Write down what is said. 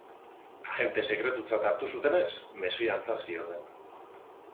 Agente sekretutzat hartu zutenez, mesfidantza zioten.